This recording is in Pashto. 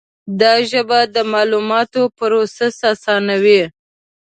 دا ژبه د معلوماتو پروسس آسانوي.